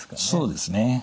そうですね。